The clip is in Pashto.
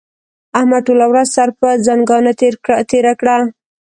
احمد ټوله ورځ سر پر ځنګانه تېره کړه.